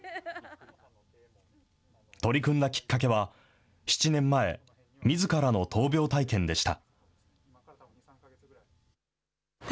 取り組んだきっかけは、７年前、みずからの闘病体験でした。